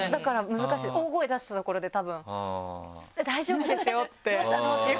大声出したところでたぶん「大丈夫ですよ」って言われそう。